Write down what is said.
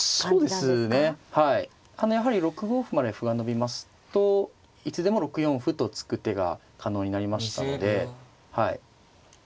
やはり６五歩まで歩が伸びますといつでも６四歩と突く手が可能になりましたのではい。